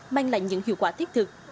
mang lại những hiệu quả thiết thực